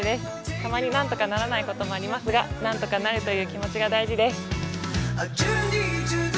たまに、何とかならないこともありますが何とかなるという気持ちが大事です。